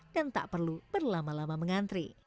dan tak perlu berlama lama mengantri